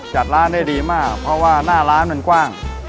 จัดร้านได้ดีมากเพราะว่าหน้าร้านมันกว้าง